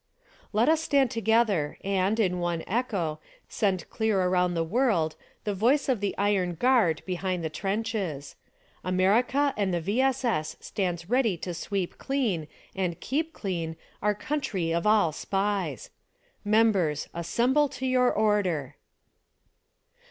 Let us stand together and, in one echo, send clear around the world, the voice of the iron guard behind the trenches : America and the V. S. S. stands ready to sweep clean and keep clean our country of all SPIES ! Members : Assemble to your order